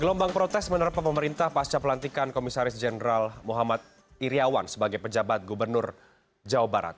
gelombang protes menerpa pemerintah pasca pelantikan komisaris jenderal muhammad iryawan sebagai pejabat gubernur jawa barat